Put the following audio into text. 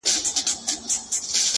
چي هم له ګل او هم له خاره سره لوبي کوي!